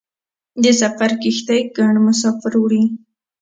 د سفر کښتۍ ګڼ مسافر وړي.